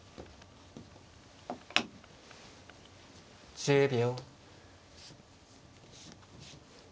１０秒。